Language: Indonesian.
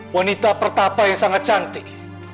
wanita pertama yang sangat cantik